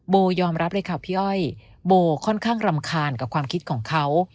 ยอมรับเลยค่ะพี่อ้อยโบค่อนข้างรำคาญกับความคิดของเขา